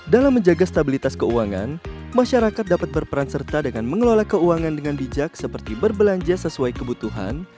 dalam menjaga stabilitas keuangan masyarakat dapat berperan serta dengan mengelola keuangan dengan bijak seperti berbelanja sesuai kebutuhan